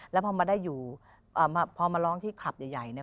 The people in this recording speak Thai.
แล้วพอมาได้อยู่พอมาร้องที่คลับใหญ่เนี่ย